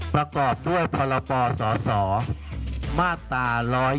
ประกอบด้วยพรปสสมาตรา๑๑๒